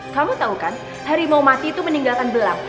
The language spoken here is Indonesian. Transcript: kamu tau kan hari mau mati itu meninggalkan belang